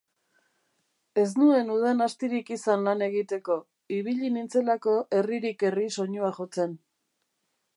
Ez nuen udan astirik izan lan egiteko, ibili nintzelako herririk herri soinua jotzen